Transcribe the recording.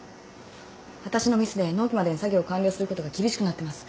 わたしのミスで納期までに作業完了することが厳しくなってます。